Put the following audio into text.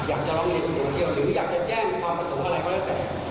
อยากจะร้องเรียนตำรวจท่องเที่ยวหรืออยากจะแจ้งความผสมอะไรก็ได้แต่